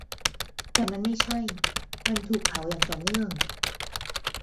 แต่มันไม่ใช่ : มันถูกเผาอย่างต่อเนื่อง